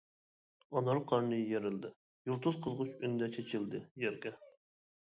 ئانار قارنى يېرىلدى. يۇلتۇز قىزغۇچ ئۈندە چېچىلدى يەرگە.